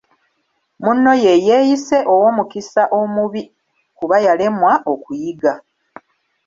Munno ye yeeyise ow'omukisa omubi, kuba yalemwa okuyiga.